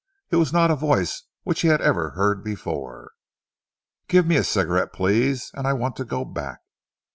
It was not a voice which he had ever heard before. "Give me a cigarette, please and I want to go back."